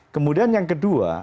kemudian yang kedua